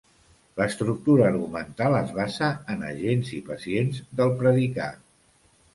L'estructura argumental es basa en agents i pacients del predicat.